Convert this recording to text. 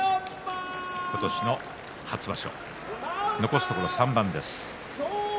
今年の初場所残すところあと３番です。